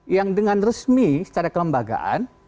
yang dengan resmi secara kelembagaan